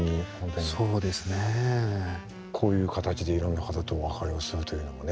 こういう形でいろんな方とお別れをするというのもね。